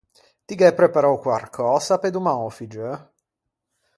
Ti gh’æ preparou quarcösa pe doman a-o figgeu?